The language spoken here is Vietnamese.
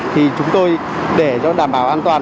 thì chúng tôi để cho đảm bảo an toàn